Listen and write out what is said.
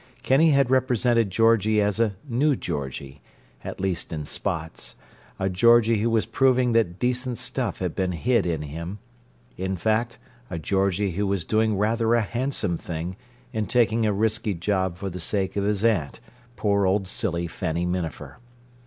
Kinney had represented Georgie as a new Georgie—at least in spots—a Georgie who was proving that decent stuff had been hid in him; in fact, a Georgie who was doing rather a handsome thing in taking a risky job for the sake of his aunt, poor old silly Fanny Minafer!